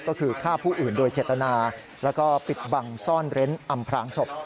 ก็คือฆ่าผู้อื่นโดยเจตนาแล้วก็ปิดบังซ่อนเร้นอำพลางศพ